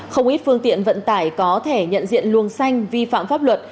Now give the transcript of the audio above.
không ít phương tiện vận tải có thể nhận diện luồng xanh vi phạm pháp luật